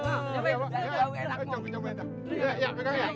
ganteng gak kok ganteng